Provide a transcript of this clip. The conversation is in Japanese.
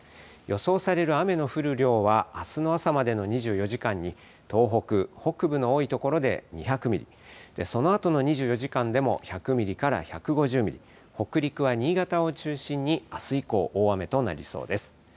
予想される雨の降る量は、あすの朝までの２４時間に東北北部の多い所で２００ミリ、そのあとの２４時間でも１００ミリから１５０ミリ、北陸は新潟を中心にあす以降、大雨となりそうです。